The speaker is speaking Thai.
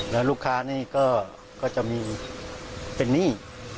และลูกค้าก็จะเป็นหนี้